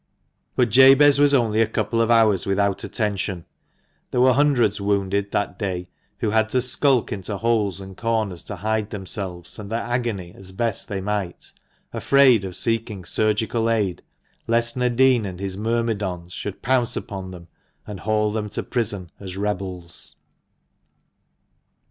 But Jabez was only a couple of hours without attention. There were hundreds wounded that day, who had to skulk into holes and corners to hide themselves and their agony as best they might, afraid of seeking surgical aid, lest Nadin and his myrmidons should pounce upon them, and haul them to prison as rebels.